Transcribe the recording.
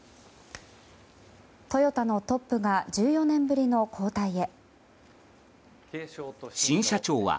トヨタのトップが１４年ぶりの交代へ。